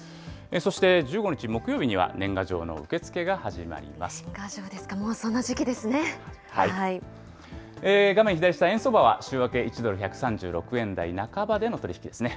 そして、１５日木曜日には、年賀年賀状ですか、もうそんな時画面左下、円相場は週明け１ドル１３６円台半ばでの取り引きですね。